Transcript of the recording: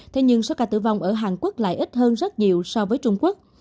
thế nhưng số ca tử vong ở hàn quốc lại ít hơn rất nhiều so với trung quốc